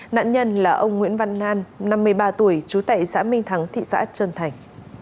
nạn nhân là ông nguyễn văn nan năm mươi ba tuổi trú tại xã minh thắng thị xã trân thành